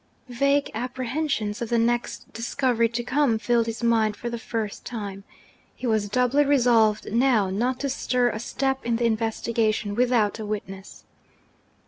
Vague apprehensions of the next discovery to come, filled his mind for the first time. He was doubly resolved, now, not to stir a step in the investigation without a witness.